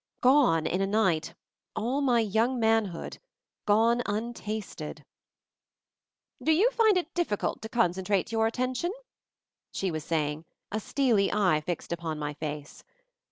Gone in a night — all my young manhood — gone untasted ! "Do you find it difficult to concentrate your attention?" she was saying, a steely eye fixed upon my face.